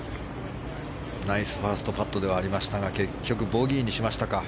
ナイスファーストパットではありましたが結局ボギーにしましたか。